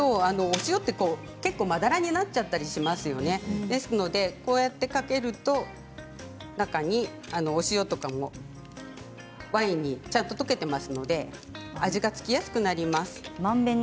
お塩は結構まだらになってしまいますよね、ですのでこうやってかけておくと、中にお塩とかも周りにちゃんと溶けていますので味が付きやすくなります。